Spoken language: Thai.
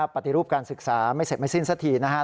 ปฏิรูปการศึกษาไม่เสร็จไม่สิ้นสักทีนะครับ